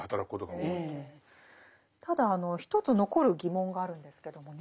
ただ一つ残る疑問があるんですけどもね